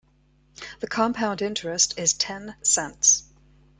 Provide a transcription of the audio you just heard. The compound interest is ten cents.